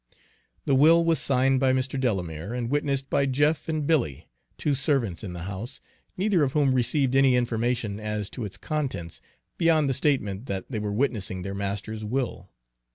The will was signed by Mr. Delamere, and witnessed by Jeff and Billy, two servants in the house, neither of whom received any information as to its contents, beyond the statement that they were witnessing their master's will.